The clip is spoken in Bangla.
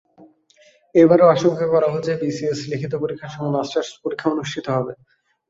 এবারও আশঙ্কা করা হচ্ছে, বিসিএস লিখিত পরীক্ষার সঙ্গে মাস্টার্স পরীক্ষা অনুষ্ঠিত হবে।